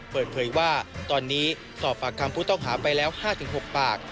เปิดเผยว่าตอนนี้สอบปากคำผู้ต้องหาไปแล้ว๕๖ปาก